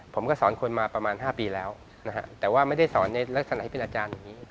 ผมก็สอนคนมาประมาณ๕ปีแล้วนะฮะแต่ว่าไม่ได้สอนในลักษณะที่เป็นอาจารย์อย่างนี้